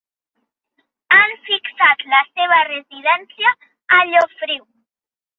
Han fixat la seva residència a Llofriu.